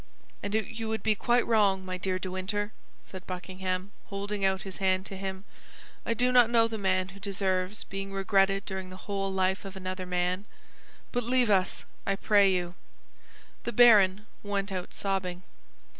"And you would be quite wrong, my dear De Winter," said Buckingham, holding out his hand to him. "I do not know the man who deserves being regretted during the whole life of another man; but leave us, I pray you." The baron went out sobbing.